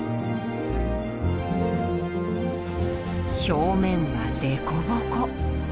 表面はでこぼこ。